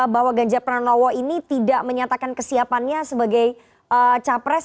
bahwa ganjar pranowo ini tidak menyatakan kesiapannya sebagai capres